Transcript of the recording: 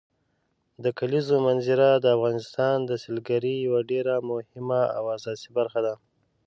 د کلیزو منظره د افغانستان د سیلګرۍ یوه ډېره مهمه او اساسي برخه ده.